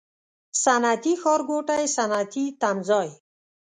صنعتي ښارګوټی، صنعتي تمځای